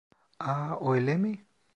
Ah, öyle mi?